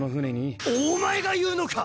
お前が言うのか！